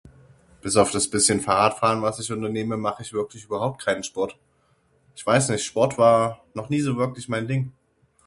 Bis auf das bisschen Fahrrad fahren was ich unternehme mach ich wirklich überhaupt kein Sport. Ich weiß nicht, Sport war noch nie so wirklich mein Ding.